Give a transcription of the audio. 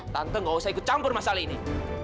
tante gak usah ikut campur masalah ini